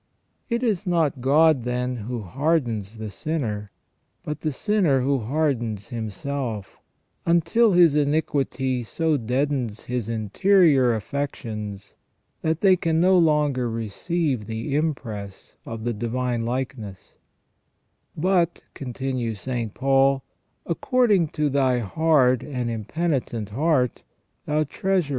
It is not God, then, who hardens the sinner, but the sinner who hardens himself, until his iniquity so deadens his interior affections that they can no longer receive the impress of the divine likeness, " But," continues St. Paul, " according to thy hard and impenitent heart, thou treasures!